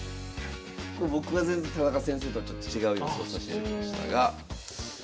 僕は田中先生とはちょっと違う予想さしていただきましたが。